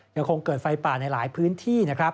ยังคงเกิดไฟป่าในหลายพื้นที่นะครับ